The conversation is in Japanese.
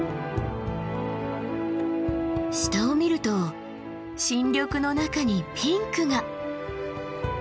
下を見ると新緑の中にピンクが。